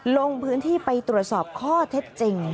ลงพื้นที่ไปตรวจสอบข้อเท็จจริง